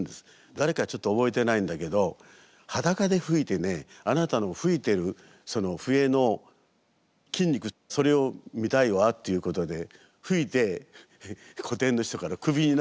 誰かちょっと覚えてないんだけどはだかで吹いてねあなたの吹いてるその笛のっていうことで吹いて古典の人からクビになった。